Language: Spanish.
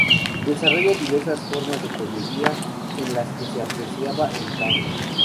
Desarrollaron diversas formas de joyería en las que se apreciaba el jade.